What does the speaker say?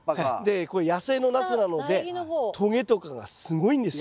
これ野生のナスなのでとげとかがすごいんですよ。